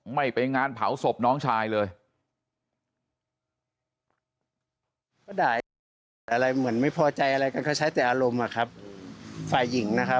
ไม่ไปงานเผาศพน้องชายเลย